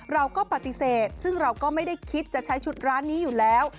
เราก็ปฏิเสธซึ่งเราก็ไม่ได้คิดจะใช้ชุดร้านนี้อยู่แล้ว